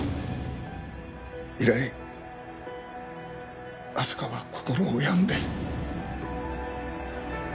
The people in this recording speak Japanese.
以来明日香は心を病んで。